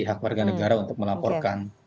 hak warga negara untuk melaporkan